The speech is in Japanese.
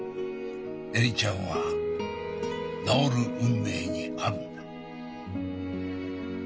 恵里ちゃんは治る運命にあるんだ。